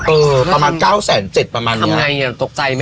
เออประมาณเก้าแสนเจ็ดประมาณเนี้ยทำไงเนี้ยตกใจไหม